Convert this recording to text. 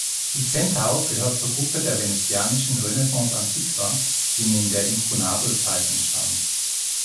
Die Centaur gehört zur Gruppe der venezianischen Renaissance-Antiqua, die in der Inkunabel-Zeit entstand.